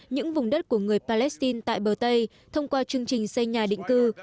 những vùng đất của người palestine tại bờ tây thông qua chương trình xây nhà định cư